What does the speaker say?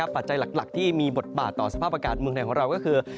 ปัจจัยหลักที่มีบทบาทต่อสภาพอากาศเมืองไทยของเราก็คือ